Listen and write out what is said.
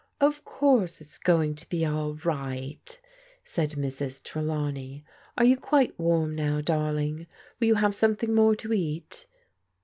Of course it's going to be all right," said Mrs. Tre lawney. "Are you quite warm now, darling? Will you have something more to eat